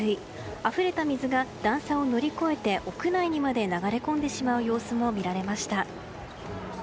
あふれた水が段差を乗り越えて屋内にまで流れ込んでしまう様子も見られました。